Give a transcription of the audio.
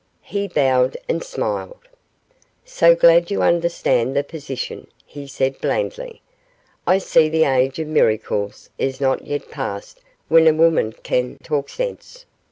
He bowed and smiled. 'So glad you understand the position,' he said, blandly; 'I see the age of miracles is not yet past when a woman can talk sense.